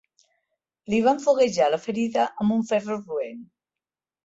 Li van foguejar la ferida amb un ferro roent.